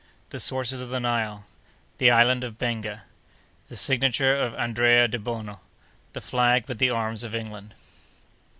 —The Sources of the Nile.—The Island of Benga.—The Signature of Andrea Debono.—The Flag with the Arms of England.